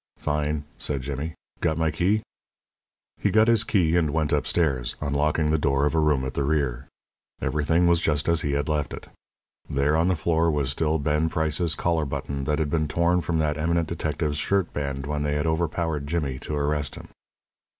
"Fine," said Jimmy. "Got my key?" He got his key and went upstairs, unlocking the door of a room at the rear. Everything was just as he had left it. There on the floor was still Ben Price's collar button that had been torn from that eminent detective's shirt band when they had overpowered Jimmy to arrest him.